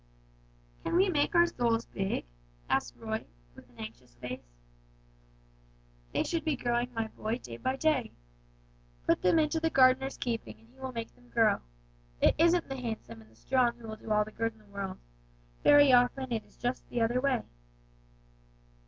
"Can we make our souls big?" asked Roy, with an anxious face. "They should be growing, my boy, day by day. Put them into the Gardener's keeping and He will make them grow. It isn't the handsome and the strong who do all the good in the world; very often it is just the other way."